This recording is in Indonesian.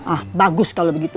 ah bagus kalau begitu